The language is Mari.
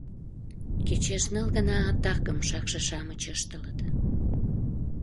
Кечеш ныл гана атакым шакше-шамыч ыштылыт.